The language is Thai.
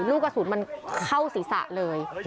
ลูกกระสุนมันเข้าศีรษะเลย